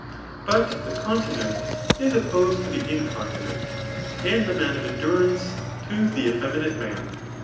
But the continent is opposed to the incon tinent, and the man of endurance to the effeminate man.